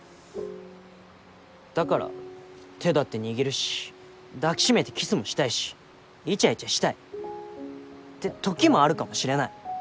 だから手だって握るし抱き締めてキスもしたいしイチャイチャしたいって時もあるかもしれない。